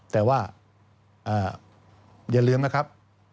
แต่ว่าอย่าลืมนะครับ